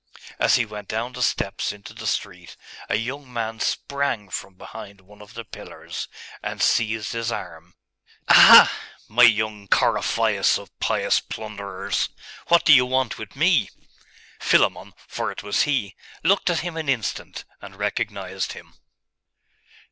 As he went down the steps into the street, a young man sprang from behind one of the pillars, and seized his arm. 'Aha! my young Coryphaeus of pious plunderers! What do you want with me?' Philammon, for it was he, looked at him an instant, and recognised him.